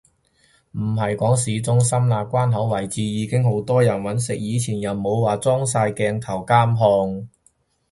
唔係講市中心啦，關口位置已經好多人搵食，以前又冇話裝晒鏡頭監控